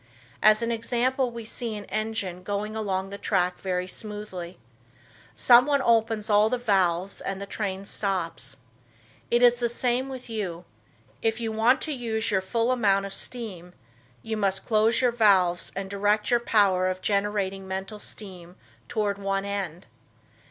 As an example we see an engine going along the track very smoothly. Some one opens all the valves and the train stops. It is the same with you. If you want to use your full amount of steam, you must close your valves and direct your power of generating mental steam toward one end.